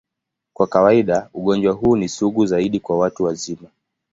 Kwa kawaida, ugonjwa huu ni sugu zaidi kwa watu wazima.